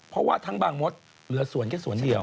เพราะว่าทั้งบางมดเหลือสวนแค่สวนเดียว